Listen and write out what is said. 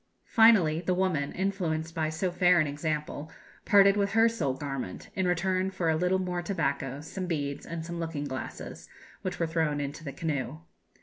Finally, the woman, influenced by so fair an example, parted with her sole garment, in return for a little more tobacco, some beads, and some looking glasses, which were thrown into the canoe.